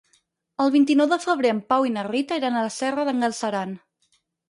El vint-i-nou de febrer en Pau i na Rita iran a la Serra d'en Galceran.